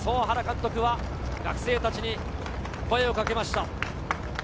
原監督は学生たちに声をかけました。